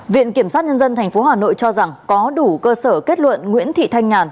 viện kiểm sát nhân dân tp hà nội cho rằng có đủ cơ sở kết luận nguyễn thị thanh nhàn